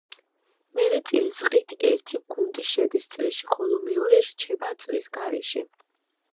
მერე წილის ყრით ერთი გუნდი შედის წრეში, ხოლო მეორე რჩება წრის გარეშე.